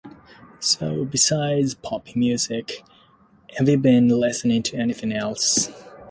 So, besides pop music, have you been listening to anything else?